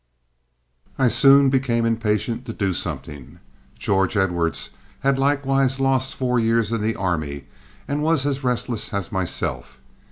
I soon became impatient to do something. George Edwards had likewise lost four years in the army, and was as restless as myself.